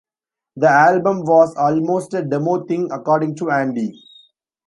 The album "was almost a demo thing," according to Andy.